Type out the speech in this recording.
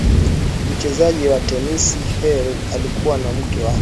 mchezaji wa tenisi karl behr alikuwa na mke wake